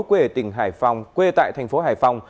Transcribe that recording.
quê tỉnh hải phòng quê tại thành phố hải phòng